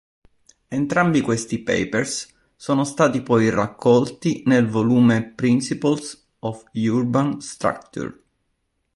Entrambi questi papers sono stati poi raccolti nel volume "Principles of Urban Structure".